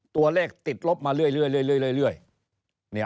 ตัวเลขติดลบมาเรื่อย